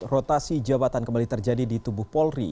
rotasi jabatan kembali terjadi di tubuh polri